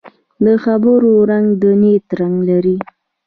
د خبرو رنګ د نیت رنګ لري